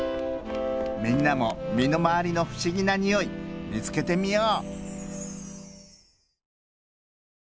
みんなもみのまわりのふしぎなにおいみつけてみよう！